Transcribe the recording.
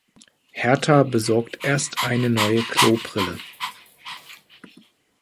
Herta besorgt erst eine neue Klobrille.